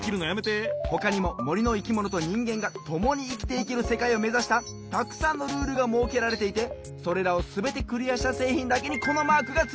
ほかにももりのいきものとにんげんがともにいきていけるせかいをめざしたたくさんのルールがもうけられていてそれらをすべてクリアしたせいひんだけにこのマークがついています。